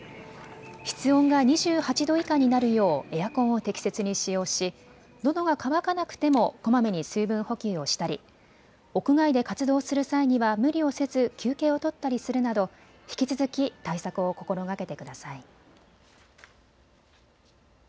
室温が２８度以下になるようエアコンを適切に使用しのどが渇かなくてもこまめに水分補給をしたり屋外で活動する際には無理をせず休憩を取ったりするなど引き続き対策を心がけてください。